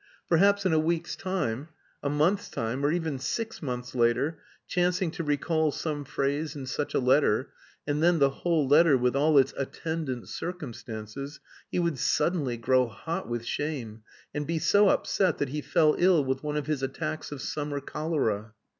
Perhaps in a week's time, a month's time, or even six months later, chancing to recall some phrase in such a letter, and then the whole letter with all its attendant circumstances, he would suddenly grow hot with shame, and be so upset that he fell ill with one of his attacks of "summer cholera."